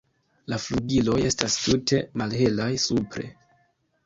La flugiloj estas tute malhelaj supre.